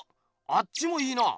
あっちもいいな！